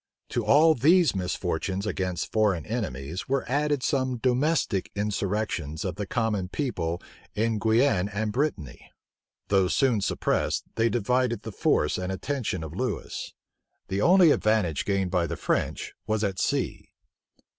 To all these misfortunes against foreign enemies were added some domestic insurrections of the common people in Guienne and Brittany. Though soon suppressed, they divided the force and attention of Lewis. The only advantage gained by the French was at sea.